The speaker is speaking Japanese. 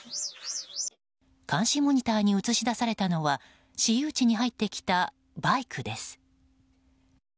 監視モニターに映し出されたのは私有地に入ってきたバイクです。